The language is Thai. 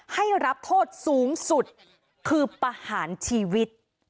ให้รับโทษสูงสุดคือประหารชีวิต